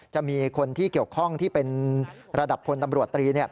จะมีคนที่เกี่ยวข้องที่เป็นระดับพลตำรวจตรี